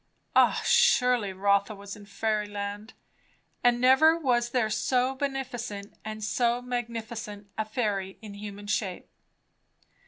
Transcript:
Ah, surely Rotha was in fairyland; and never was there so beneficent and so magnificent a fairy in human shape.